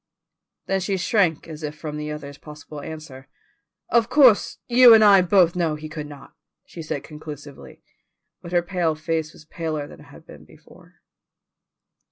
Then she shrank as if from the other's possible answer. "Of course you and I both know he could not," said she conclusively, but her pale face was paler than it had been before.